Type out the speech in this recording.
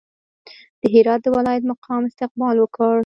د هرات د ولایت مقام استقبال وکړ.